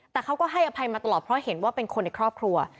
แต่เขาก็ให้อภัยมาตลอดเพราะเห็นว่าเป็นคนในครอบครัว